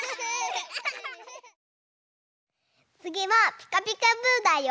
つぎは「ピカピカブ！」だよ！